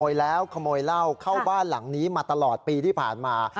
แล้วขโมยเหล้าเข้าบ้านหลังนี้มาตลอดปีที่ผ่านมา